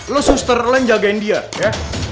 lo suster land jagain dia ya